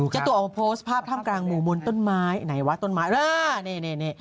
จตุออกโพสต์ภาพถ้ามกลางหมู่มนต้นไม้ไหนวะต้นไม้นี่